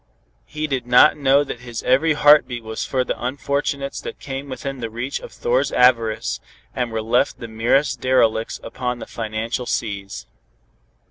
He did not know that his every heart beat was for the unfortunates that came within the reach of Thor's avarice, and were left the merest derelicts upon the financial seas.